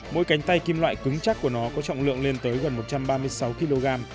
mỗi cánh tay kim loại cứng chắc của nó có trọng lượng lên tới gần một trăm ba mươi sáu kg